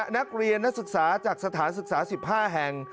นักเรียนนักศึกษาจากสถานศึกษา๑๕แห่ง